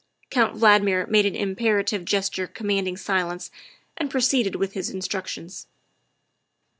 , Count Valdmir made an imperative gesture command ing silence and proceeded with his instructions.